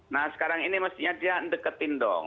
nah sekarang ini mestinya dia deketin dong